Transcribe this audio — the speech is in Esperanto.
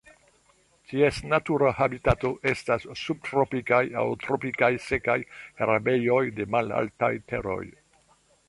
Ties natura habitato estas subtropikaj aŭ tropikaj sekaj herbejoj de malaltaj teroj.